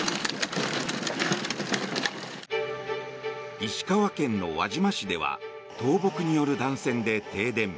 石川県の輪島市では倒木による断線で停電。